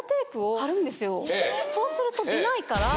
そうすると出ないから。